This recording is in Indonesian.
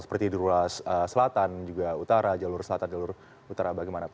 seperti di ruas selatan juga utara jalur selatan jalur utara bagaimana pak